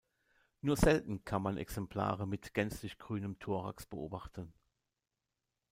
Nur selten kann man Exemplare mit gänzlich grünem Thorax beobachten.